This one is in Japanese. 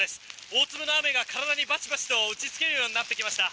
大粒の雨が体にバチバチと打ち付けるようになりました。